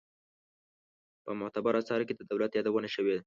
په معتبرو آثارو کې د دولت یادونه شوې.